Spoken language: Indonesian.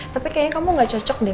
tapi kayaknya kamu gak cocok deh